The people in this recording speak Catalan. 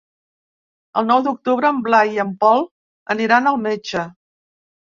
El nou d'octubre en Blai i en Pol aniran al metge.